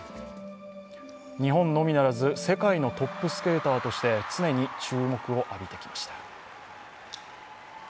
日本のみならず、世界のトップスケーターとして常に注目を浴びてきました。